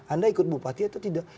anda ikut bupati atau tidak